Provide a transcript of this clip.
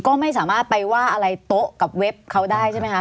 ก็ไม่สามารถไปว่าอะไรโต๊ะกับเว็บเขาได้ใช่ไหมคะ